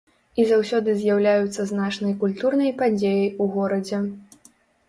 І заўсёды з'яўляюцца значнай культурнай падзеяй у горадзе.